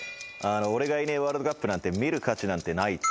俺がいねえワールドカップなんて見る価値なんてない。